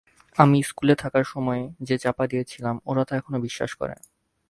আমি স্কুলে থাকার সময়ে যে চাপা দিয়েছিলাম ওরা তা এখনো বিশ্বাস করে।